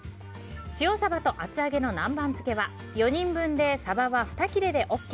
塩サバと厚揚げの南蛮漬けは４人分でサバは２切れでＯＫ。